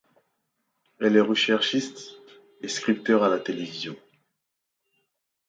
Elle est recherchiste et scripteure à la télévision.